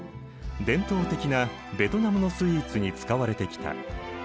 伝統的なベトナムのスイーツに使われてきた。